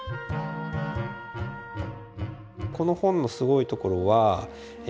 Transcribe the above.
この本のすごいところはえ